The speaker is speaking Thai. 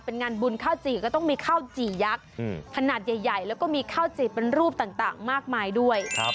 เป็นงานบุญข้าวจี่ก็ต้องมีข้าวจี่ยักษ์ขนาดใหญ่แล้วก็มีข้าวจีบเป็นรูปต่างมากมายด้วย